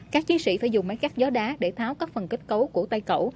các chiến sĩ phải dùng máy cắt gió đá để tháo các phần kết cấu của tay cẩu